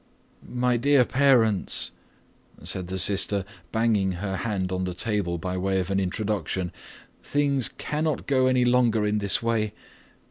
"My dear parents," said the sister banging her hand on the table by way of an introduction, "things cannot go on any longer in this way.